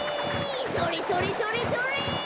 それそれそれそれ！